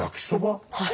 はい。